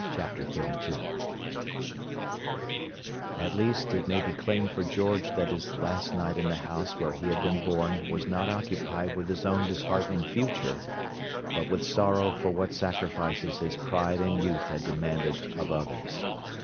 Chapter XXXII At least, it may be claimed for George that his last night in the house where he had been born was not occupied with his own disheartening future, but with sorrow for what sacrifices his pride and youth had demanded of others.